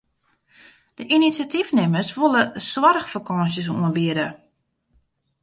De inisjatyfnimmers wolle soarchfakânsjes oanbiede.